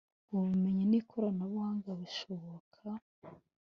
ubumenyi ni koranabuhanga bishoboka